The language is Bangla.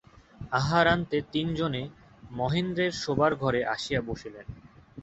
আহারান্তে তিন জনে মহেন্দ্রের শোবার ঘরে আসিয়া বসিলেন।